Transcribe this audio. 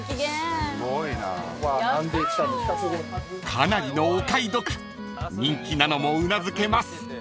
［かなりのお買い得人気なのもうなずけます］